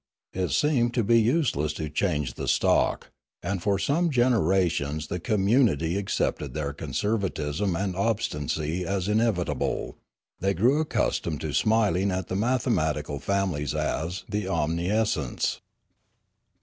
It seemed to be useless to change the stock, and for some generations the community ac cepted their conservatism and obstinacy as inevitable; they grew accustomed to smiling at the mathematical families as " the omniscients.